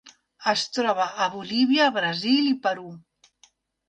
Es troba a Bolívia, Brasil i Perú.